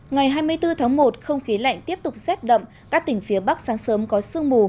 ngày hai mươi bốn tháng một không khí lạnh tiếp tục rét đậm các tỉnh phía bắc sáng sớm có sương mù